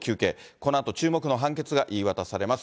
このあと注目の判決が言い渡されます。